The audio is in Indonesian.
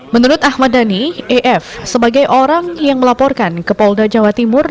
menurut ahmad dhani ef sebagai orang yang melaporkan ke polda jawa timur